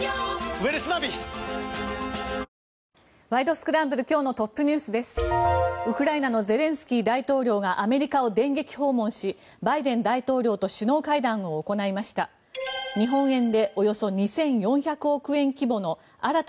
ウクライナのゼレンスキー大統領がアメリカを電撃訪問しバイデン大統領と首脳会談を行いました。